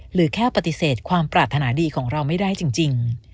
หรือแค่ปฏิเสธความปรารถนาดีของเราไม่ได้จริง